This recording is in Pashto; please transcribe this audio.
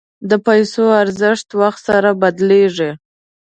د پیسو ارزښت وخت سره بدلېږي.